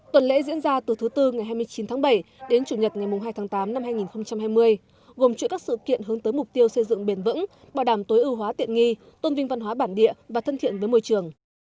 tuần lễ diễn ra từ thứ tư ngày hai mươi chín tháng bảy đến chủ nhật ngày hai tháng tám năm hai nghìn hai mươi gồm chuỗi các sự kiện hướng tới mục tiêu xây dựng bền vững bảo đảm tối ưu hóa tiện nghi tôn vinh văn hóa bản địa và thân thiện với môi trường